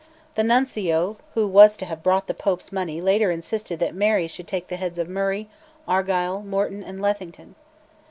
The Nuncio who was to have brought the Pope's money later insisted that Mary should take the heads of Murray, Argyle, Morton, and Lethington!